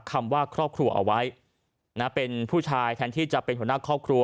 คำว่าครอบครัวเอาไว้นะเป็นผู้ชายแทนที่จะเป็นหัวหน้าครอบครัว